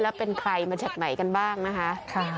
แล้วเป็นใครมาจากไหนกันบ้างนะคะ